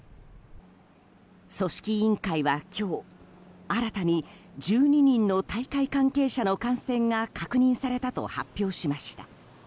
組織委員会は今日新たに１２人の大会関係者の感染が確認されたと発表しました。